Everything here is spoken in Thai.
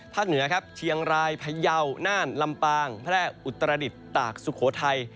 เหนือครับเชียงรายพยาวน่านลำปางแพร่อุตรดิษฐ์ตากสุโขทัย